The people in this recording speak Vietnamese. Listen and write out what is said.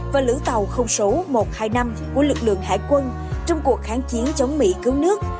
và lữ tàu số một trăm hai mươi năm của lực lượng hải quân trong cuộc kháng chiến chống mỹ cứu nước